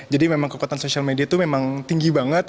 jadi memang kekuatan sosial media itu memang tinggi banget